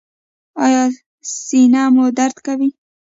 ایا سینه مو درد کوي؟